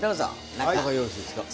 中よろしいですか？